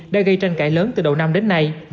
đã gây tranh cãi lớn từ đầu năm đến nay